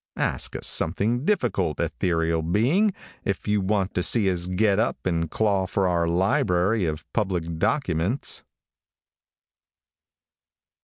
Ask us something difficult, ethereal being, if you want to see us get up and claw for our library of public documents.